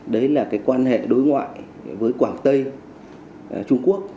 đấy là cái quan hệ đối ngoại với quảng tây trung quốc